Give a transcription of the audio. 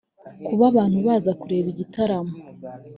Kuba abantu baza kureba igitaramo